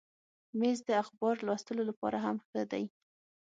مېز د اخبار لوستلو لپاره هم ښه دی.